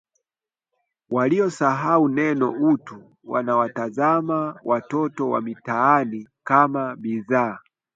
waliosahau neno “utu” wanawatazama watoto wa mitaani kama bidhaa